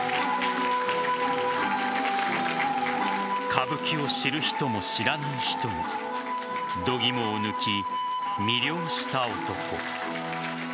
歌舞伎を知る人も知らない人も度肝を抜き、魅了した男。